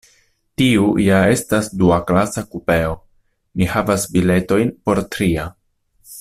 Tiu ja estas duaklasa kupeo; mi havas biletojn por tria.